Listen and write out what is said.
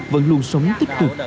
vẫn luôn sống tích cực